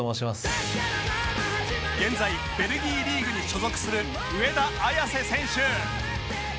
現在ベルギーリーグに所属する上田綺世選手